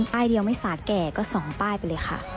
ป้ายเดียวไม่สาดแก่ก็สองป้ายไปเลยค่ะ